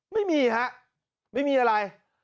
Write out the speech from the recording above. ไม่มีครับไม่มีอะไร